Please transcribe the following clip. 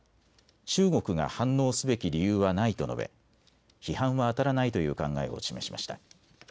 中国が反応すべき理由はないと述べ、批判はあたらないという考えを示しました。